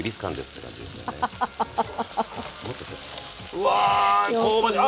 うわあ香ばしい。